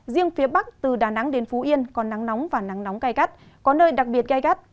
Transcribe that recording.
riêng phía bắc từ đà nẵng đến phú yên có nắng nóng và nắng nóng gai gắt có nơi đặc biệt gai gắt